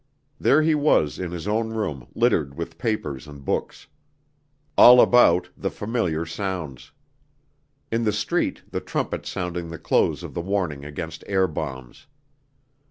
There he was in his own room littered with papers and books. All about the familiar sounds. In the street the trumpet sounding the close of the warning against air bombs.